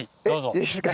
いいですか？